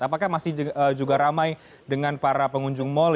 apakah masih juga ramai dengan para pengunjung mal